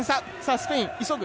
スペイン、急ぐ！